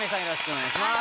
お願いします。